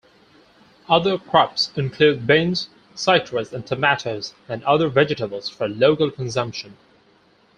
Other crops include beans, citrus and tomatoes, and other vegetables for local consumption.